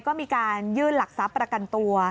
ก็มีการยื่นหลักทรัพย์ประกันตัว